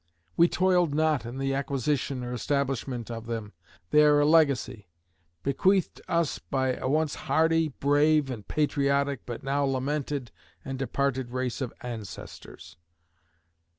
We toiled not in the acquisition or establishment of them; they are a legacy bequeathed us by a once hardy, brave and patriotic, but now lamented and departed race of ancestors.